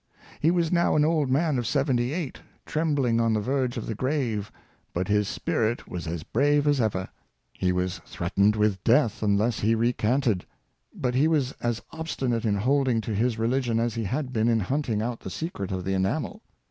He was now an old man of seventy eight, trembling on the verge of the grave, but his spirit was as brave as ever. He was threatened with death unless he recanted; but he was as obstinate in holding to his religion as he had been in hunting out the secret of the enamel.